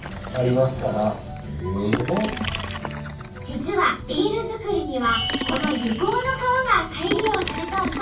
実はビール作りにはこの柚香の皮が再利用されとんと！